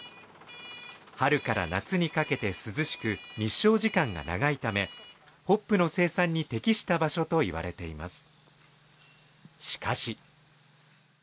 春から夏にかけて涼しく日照時間が長いためホップの生産に適した場所といわれています